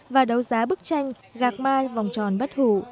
và đấu giá bức tranh gạc mai vòng tròn bất hủ